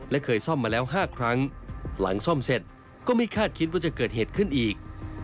และเคยซ่อมมาแล้ว๕ครั้งหลังซ่อมเสร็จก็ไม่คาดคิดว่าจะเกิดเหตุขึ้นอีก